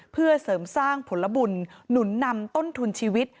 เพื่อเสริมสร้างผลบุญหนุนนำต้นทุนชีวิต